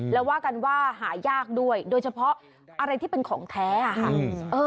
แล้วว่ากันว่าหายากด้วยโดยเฉพาะอะไรที่เป็นของแท้ค่ะ